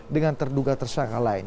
dengan terduga tersangka lain